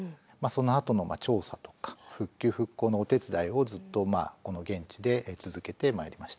そのあとの調査とか復旧・復興のお手伝いをずっとまあこの現地で続けてまいりました。